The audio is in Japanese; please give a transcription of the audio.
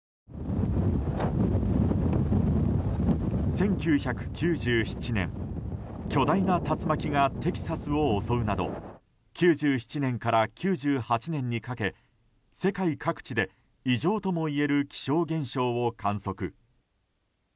１９９７年巨大な竜巻がテキサスを襲うなど９７年から９８年にかけ世界各地で異常ともいえる気象現象を観測。